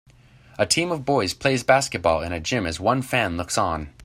A team of boys plays basketball in a gym as one fan looks on.